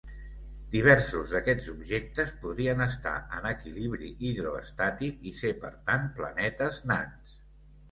Diversos d'aquests objectes podrien estar en equilibri hidroestàtic i ser per tant planetes nans.